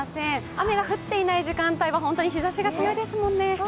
雨が降っていない時間帯は本当に日ざしが強いですもんね。